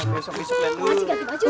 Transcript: besok bisa ganti baju